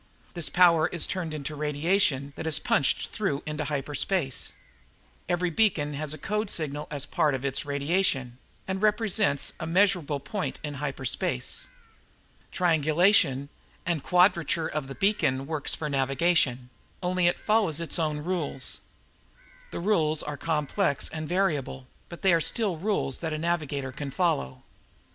This power is turned into radiation that is punched through into hyperspace. Every beacon has a code signal as part of its radiation and represents a measurable point in hyperspace. Triangulation and quadrature of the beacons works for navigation only it follows its own rules. The rules are complex and variable, but they are still rules that a navigator can follow.